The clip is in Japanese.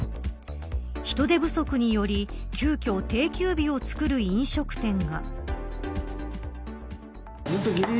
人手不足により急きょ定休日をつくる飲食店が。